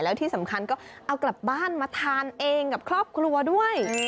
แล้วที่สำคัญก็เอากลับบ้านมาทานเองกับครอบครัวด้วย